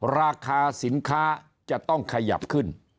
ราคาสินค้าจะต้องขยับขึ้น